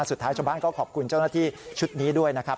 สุดท้ายชาวบ้านก็ขอบคุณเจ้าหน้าที่ชุดนี้ด้วยนะครับ